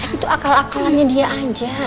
itu akal akalannya dia aja